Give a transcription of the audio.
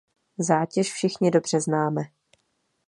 Zátěž všichni dobře známe.